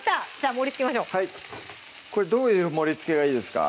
盛りつけましょうこれどういう盛りつけがいいですか？